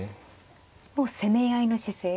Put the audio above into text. もう攻め合いの姿勢で。